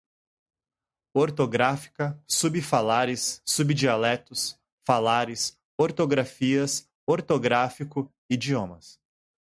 ortográfica, subfalares, subdialetos, falares, ortografias, ortográfico, idiomas